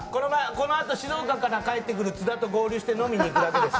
このあと静岡から帰ってくる津田と合流して飲みに行くだけです。